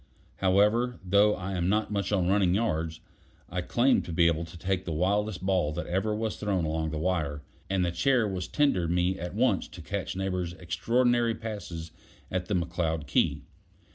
However, though I am not much on running yards, I claim to be able to take the wildest ball that ever was thrown along the wire, and the chair was tendered me at once to catch Neighbor's extraordinary passes at the McCloud key.